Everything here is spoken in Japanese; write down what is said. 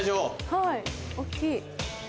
はい大っきい。